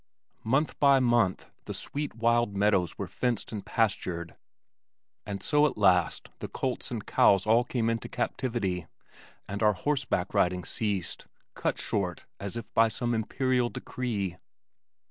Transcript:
Month by month the sweet wild meadows were fenced and pastured and so at last the colts and cows all came into captivity, and our horseback riding ceased, cut short as if by some imperial decree.